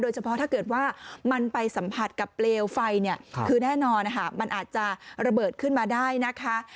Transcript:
เฉพาะถ้าเกิดว่ามันไปสัมผัสกับเปลวไฟเนี่ยคือแน่นอนมันอาจจะระเบิดขึ้นมาได้นะคะ